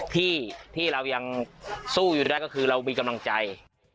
ที่เรายังสู้อยู่ได้ก็คือเรามีกำลังใจ